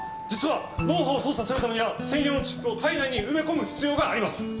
実は脳波を操作するためには専用のチップを体内に埋め込む必要があります。